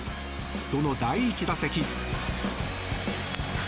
その第１打席。